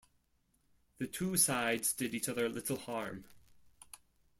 The two sides did each other little harm.